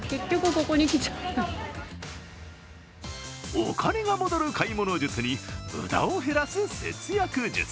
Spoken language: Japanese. お金が戻る買い物術に無駄を減らす節約術。